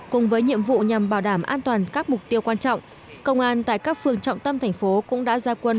cùng với nhiệm vụ nhằm bảo đảm an toàn các mục tiêu quan trọng công an tại các phường trọng tâm thành phố cũng đã ra quân